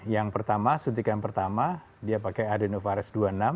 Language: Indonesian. yang pertama suntikan pertama dia pakai adenovirus dua puluh enam